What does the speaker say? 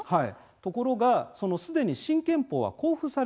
ところが、すでに新憲法は公布されていました。